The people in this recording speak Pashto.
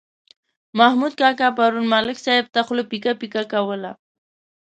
محمود کاکا پرون ملک صاحب ته خوله پیکه پیکه کوله.